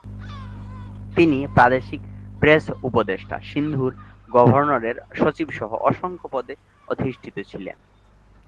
তিনি প্রাদেশিক প্রেস উপদেষ্টা, সিন্ধুর গভর্নরের সচিব সহ অসংখ্য পদে অধিষ্ঠিত ছিলেন।